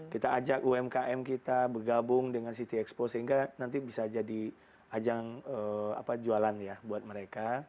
kita ajak umkm kita bergabung dengan city expo sehingga nanti bisa jadi ajang jualan ya buat mereka